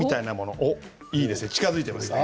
いいですね近づいていますね。